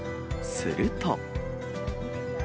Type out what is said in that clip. すると。